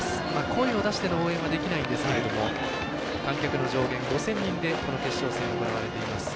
声を出しての応援はできないんですが観客の上限５０００人で決勝戦、行われています。